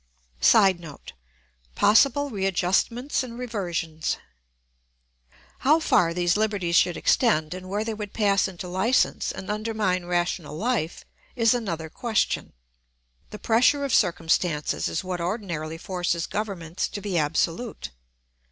[Sidenote: Possible readjustments and reversions.] How far these liberties should extend and where they would pass into license and undermine rational life, is another question. The pressure of circumstances is what ordinarily forces governments to be absolute.